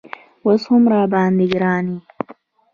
اوس هم راباندې ګران یې